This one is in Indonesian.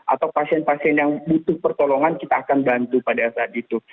atau pasien pasien yang butuh pertolongan kita akan bantu pada saat itu